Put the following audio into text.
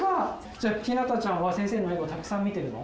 じゃあひなたちゃんは先生の笑顔たくさん見てるの？